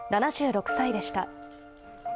７６歳でした。